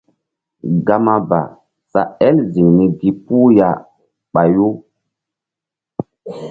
Gama ba sa el ziŋ ni gi puh ya ɓayu.